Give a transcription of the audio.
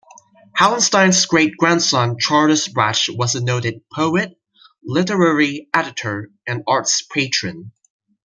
Hallenstein's great-grandson Charles Brasch was a noted poet, literary editor and arts patron.